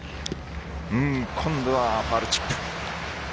今度はファウルチップ。